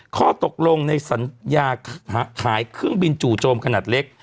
ข้อตกลงในสัญญาขายเครื่องบินจู่โจมขนาดเล็ก